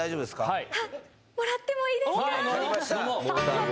はい！